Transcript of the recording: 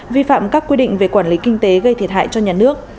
vi phạm các quy định về quản lý kinh tế gây thiệt hại cho nhà nước